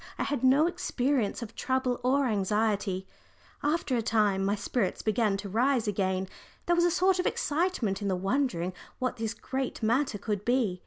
I had no experience of trouble or anxiety. After a time my spirits began to rise again there was a sort of excitement in the wondering what this great matter could be.